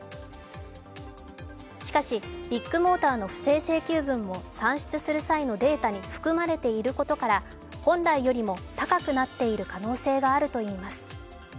しかし、ビッグモーターの不正請求分も算出する際のデータに含まれていることから本来よりも高くなっている可能性があるといいます。